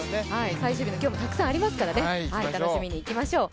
最終日の今日もたくさんありますからね、楽しみにいきましょう。